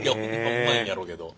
うまいんやろうけど。